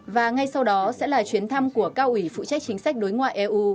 và ngay sau đó sẽ là chuyến thăm của cao ủy phụ trách chính sách đối ngoại eu